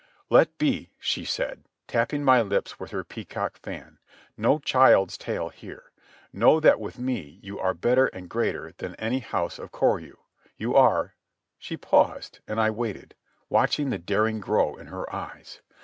"Let be," she said, tapping my lips with her peacock fan. "No child's tales here. Know that with me you are better and greater than of any house of Koryu. You are ..." She paused, and I waited, watching the daring grow in her eyes.